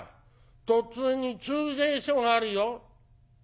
途中に駐在所があるよ」。